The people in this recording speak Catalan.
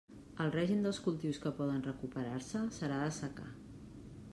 El règim dels cultius que poden recuperar-se serà de secà.